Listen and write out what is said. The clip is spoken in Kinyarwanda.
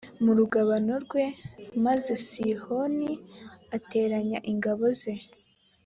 mu rugabano rwe maze sihoni ateranya ingabo ze